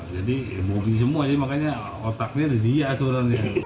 jadi bebe semua makanya otaknya dia